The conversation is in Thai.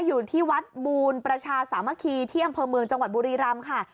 อยู่ที่วัดบูรประชาสามัคคีที่อำเภอเมืองจังหวัดบุรีรำค่ะ